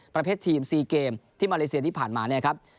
ประเภททีม๔เกมที่มาเลเซียที่ผ่านมาเนี่ยครับ